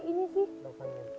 apa sih tadi ini sih